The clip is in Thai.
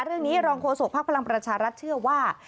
เรื่องนี้รองโฆษกภักดิ์พลังประชารัฐเชื่อว่า